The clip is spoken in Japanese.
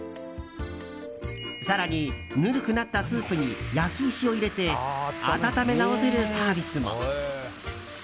更にぬるくなったスープに焼き石を入れて温め直せるサービスも。